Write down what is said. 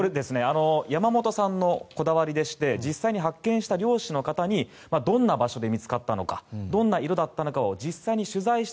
山本さんのこだわりでして実際に発見した漁師の方にどんな形で見つかったのかどんな色だったのかを実際に取材して。